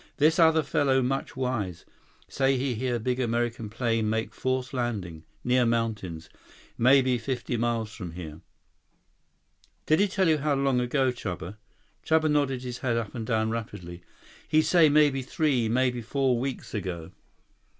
This other fellow much wise. Say he hear big American plane make force landing. Near mountains. Maybe fifty miles from here." "Did he tell you how long ago, Chuba?" Chuba nodded his head up and down rapidly. "He say maybe three, maybe four weeks ago."